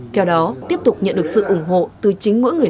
theo đó tiếp tục nhận được sự ủng hộ từ chính mỗi người dân